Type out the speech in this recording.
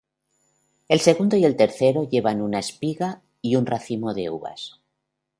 El segundo y el tercero llevan una espiga y un racimo de uvas.